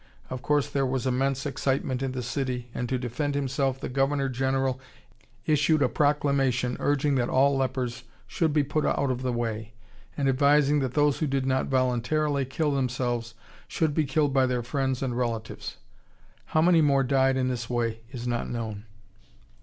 Of course there was immense excitement in the city, and to defend himself the governor general issued a proclamation urging that all lepers should be put out of the way, and advising that those who did not voluntarily kill themselves should be killed by their friends and relatives. How many more died in this way is not known.